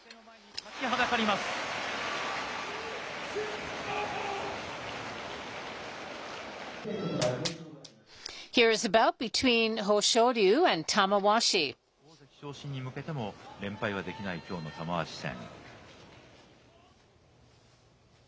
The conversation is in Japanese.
大きな目標である大関昇進に向けても、連敗はできないきょうの玉鷲戦。